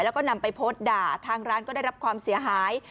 แล้วก็นำไปโพสต์ด่าทางร้านก็ได้รับความเสียหาย